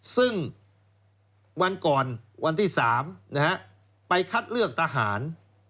ซึ่งวันก่อนวันที่๓ไปคัดเลือกทหาร